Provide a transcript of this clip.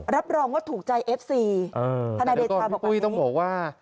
รับรองว่าถูกใจเอฟซีเอ่อธนาเดชาลบอกว่าพี่ปุ้ยต้องบอกว่า